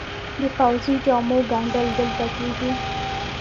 د پوځي جامو ګنډل دلته کیږي؟